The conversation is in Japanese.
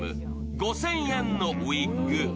５０００円のウィッグ。